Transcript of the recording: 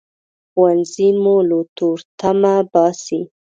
ښوونځی مو له تورتمه باسي